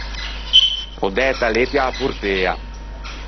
Ò dæto a lettia a-a portea.